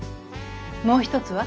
もう一つは？